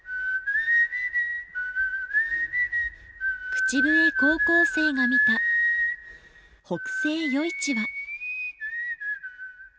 口笛高校生が見た北星余市は。